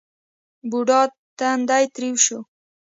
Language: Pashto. بوډا تندی ترېو شو.